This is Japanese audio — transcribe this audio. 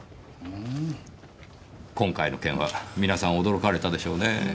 今回の件は皆さん驚かれたでしょうねぇ。